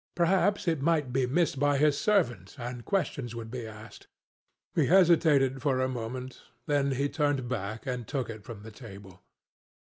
Perhaps it might be missed by his servant, and questions would be asked. He hesitated for a moment, then he turned back and took it from the table.